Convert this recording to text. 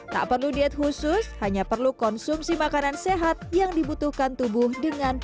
tak perlu diet khusus hanya perlu konsumsi makanan sehat yang dibutuhkan tubuh dengan baik